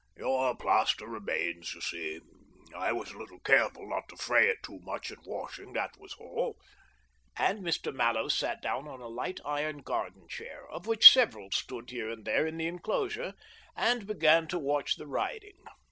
"Your plaster remains, you see — I was a little careful not to fray it too much in washing, that was all." And Mr. Mallows sat down on a light iron garden chair (of which several stood here and there in the enclosure) and began to watch the riding.